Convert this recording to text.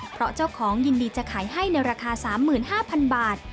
เพราะเจ้าของยินดีจะขายให้ในราคา๓๕๐๐๐บาท